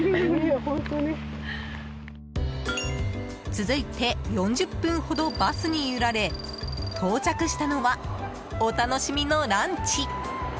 続いて４０分ほどバスに揺られ到着したのは、お楽しみのランチ。